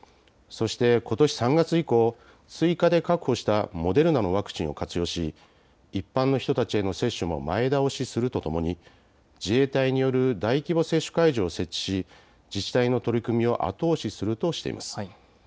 そして、ことし３月以降追加で確保したモデルナのワクチンを活用し一般の人たちへの接種も前倒しするとともに自衛隊による大規模接種会場を設置し、自治体の取り組みを後押しするとしています。